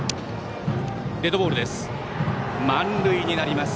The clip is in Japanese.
デッドボールです。